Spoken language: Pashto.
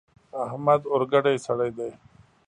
احمد اورګډی سړی دی.